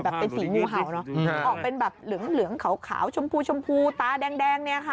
ออกเป็นแบบเหลืองเหลืองขาวชมพูชมพูตาแดงเนี่ยค่ะ